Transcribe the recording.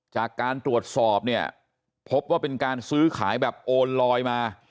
จากการตรวจสอบเนี่ยพบว่าเป็นการซื้อขายแบบโอนลอยมา